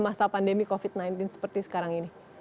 masa pandemi covid sembilan belas seperti sekarang ini